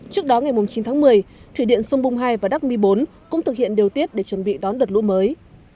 trước đó ngày chín tháng một mươi thủy điện sông bung hai và đắc mi bốn cũng thực hiện điều tiết để chuẩn bị đón đợt lũ mới